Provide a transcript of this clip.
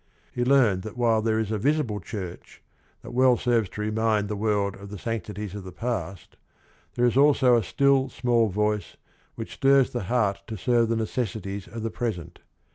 He learned that while there is a visible church that well serves to remind the world of the sanctities of the past, there is also a still, small voice which stirs the heart to serve the necessities of the present.